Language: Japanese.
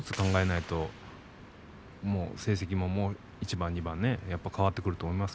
成績ももう一番、二番それで変わってくると思います。